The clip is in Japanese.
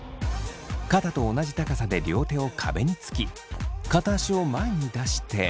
肩と同じ高さで両手を壁につき片足を前に出して。